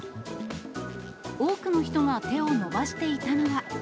多くの人が手を伸ばしていたのは。